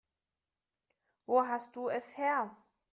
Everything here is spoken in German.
Wo hast du es her?